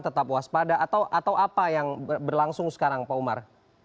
tetap waspada atau apa yang berlangsung sekarang pak umar